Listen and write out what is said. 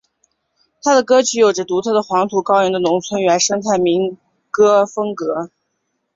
他的歌曲有着独特的黄土高原的农村原生态民歌风格。